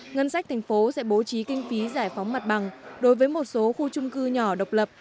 ngân sách thành phố sẽ bố trí kinh phí giải phóng mặt bằng đối với một số khu trung cư nhỏ độc lập